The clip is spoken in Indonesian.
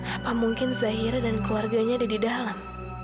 apa mungkin zahira dan keluarganya ada di dalam